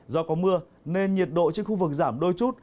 do có mưa nên nhiệt độ trên khu vực giảm đôi chút